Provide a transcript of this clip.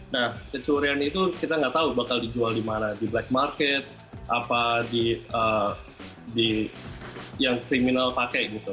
nah kecurian itu kita nggak tahu bakal dijual di mana di black market apa di yang kriminal pakai gitu